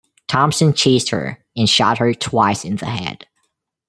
Thompson chased her and shot her twice in the head.